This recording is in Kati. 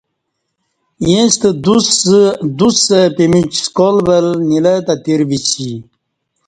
ییݩستہ دوڅ سہ پِیمِچ سکال ول نیلہ تہ تِیر بِیسی